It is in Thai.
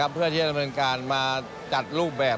เพื่อที่จะเริ่มเต็มการมาจัดลูกแบบ